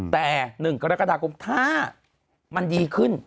แต่๑กรกฎาคมถ้ามันดีขึ้น